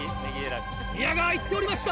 宮川言っておりました！